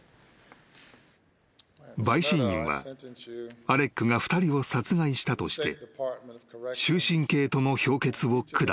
［陪審員はアレックが２人を殺害したとして］